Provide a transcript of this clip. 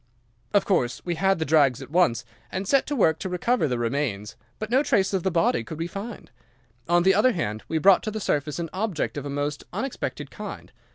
"'Of course, we had the drags at once, and set to work to recover the remains, but no trace of the body could we find. On the other hand, we brought to the surface an object of a most unexpected kind.